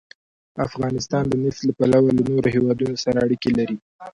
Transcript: افغانستان د نفت له پلوه له نورو هېوادونو سره اړیکې لري.